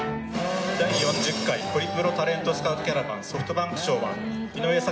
「第４０回ホリプロタレントスカウトキャラバンソフトバンク賞は井上咲楽さんです」